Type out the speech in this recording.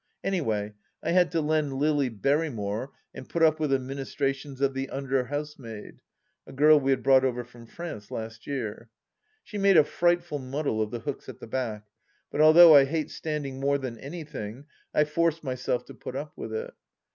Any way, I had to lend LUy Berrymore and put up with the ministrations of the under housemaid— a girl we had brought over from France last year. She made a frightful muddle of the hooks at the back ; but although I hate stand ing more than anything, I forced myself to put up with it.